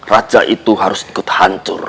raja itu harus ikut hancur